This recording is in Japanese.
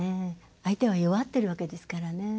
相手は弱ってるわけですからね。